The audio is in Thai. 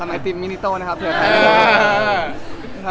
ไอติมมินิโต้นะครับเผื่อใคร